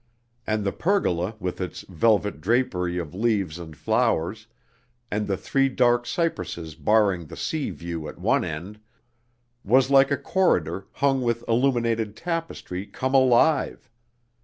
And the pergola with its velvet drapery of leaves and flowers, and the three dark cypresses barring the sea view at one end, was like a corridor hung with illuminated tapestry 'come alive.'